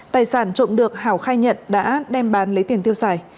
tài sản trộm được hảo khai nhận đã đem bán lấy tiền tiêu xài